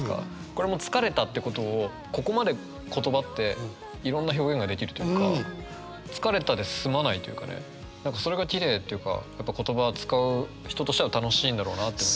これも疲れたってことをここまで言葉っていろんな表現ができるというか何かそれがきれいっていうか言葉使う人としては楽しいんだろうなって思いましたね。